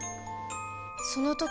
その時